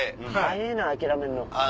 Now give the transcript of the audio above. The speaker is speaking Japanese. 早えぇな諦めるの。